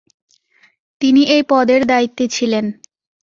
তিনি এই পদের দায়িত্বে ছিলেন।